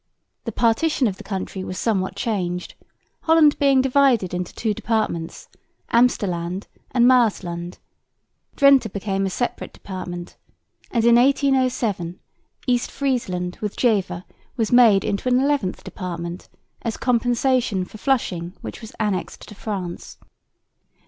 The partition of the country was somewhat changed, Holland being divided into two departments, Amstelland and Maasland. Drente became a separate department; and in 1807 East Friesland with Jever was made into an eleventh department, as compensation for Flushing, which was annexed to France.